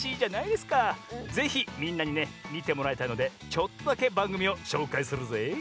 ぜひみんなにねみてもらいたいのでちょっとだけばんぐみをしょうかいするぜい！